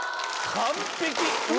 完璧！